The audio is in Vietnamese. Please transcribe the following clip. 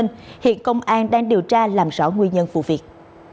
hiện công an đang điều tra làm rõ nguyên nhân vụ việc